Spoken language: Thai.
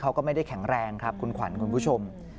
เขาก็ไม่ได้แข็งแรงครับคุณขวัญคุณผู้ชม